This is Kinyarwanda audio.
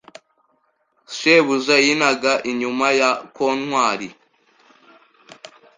shebuja yinaga inyuma ya kontwari